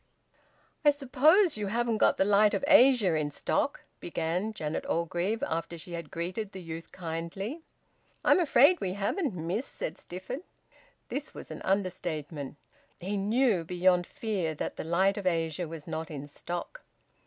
"I suppose you haven't got `The Light of Asia' in stock?" began Janet Orgreave, after she had greeted the youth kindly. "I'm afraid we haven't, miss," said Stifford. This was an understatement. He knew beyond fear that "The Light of Asia" was not in stock.